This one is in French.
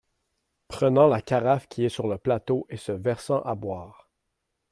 Prenant la carafe qui est sur le plateau et se versant à boire.